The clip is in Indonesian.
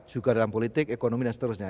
juga dalam politik ekonomi dan seterusnya